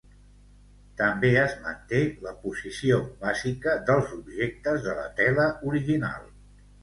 També es manté la posició bàsica dels objectes de la tela original.